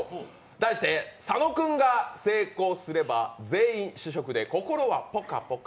題して佐野くんが成功すれば全員試食で心はぽかぽか！